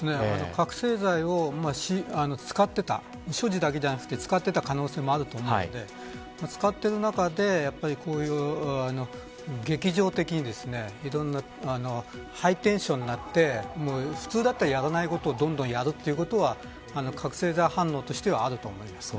覚せい剤を所持だけじゃなく、使っていた可能性もあると思うので使っている中で激情的にハイテンションになって普通だったらやらないことをどんどんやるということは覚せい剤反応としてはあると思います。